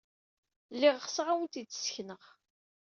Lliɣ ɣseɣ ad awen-t-id-ssekneɣ.